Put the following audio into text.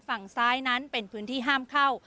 ฝั่งซ้ายนั้นเป็นพื้นที่ห้ามเข้า